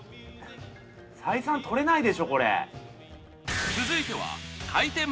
採算とれないでしょこれ。